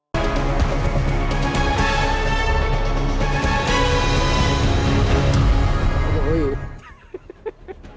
sekarang kita mulai menjelaskan